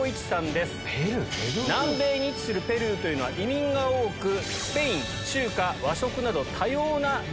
南米に位置するペルーというのは移民が多くスペイン中華和食など。